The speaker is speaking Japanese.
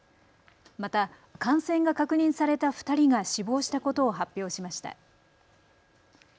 また感染が確認された２人が死亡したことを発表しました。